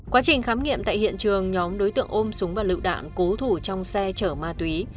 quá trình khám nghiệm tại hiện trường nhóm đối tượng ôm súng và lựu đạn cố thủ trong xe chở ma túy